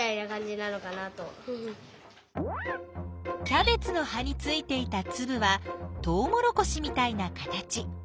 キャベツの葉についていたつぶはとうもろこしみたいな形。